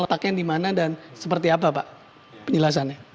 pak yang dimana dan seperti apa pak penjelasannya